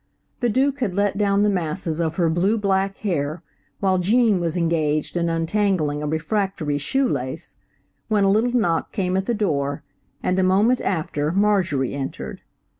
The Duke had let down the masses of her blue black hair, while Gene was engaged in untangling a refractory shoe lace, when a little knock came at the door, and a moment after Marjorie entered.